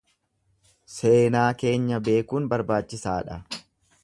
Seenaa keenya beekuun barbaachisaadha.